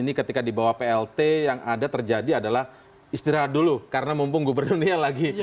jadi ketika di bawah plt yang ada terjadi adalah istirahat dulu karena mumpung gubernurnya lagi